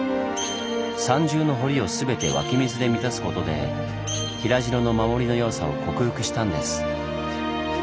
３重の堀を全て湧き水で満たすことで平城の守りの弱さを克服したんです。